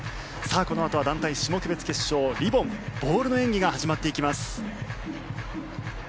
このあとは団体種目別決勝リボン・ボールの演技が始まっていきます。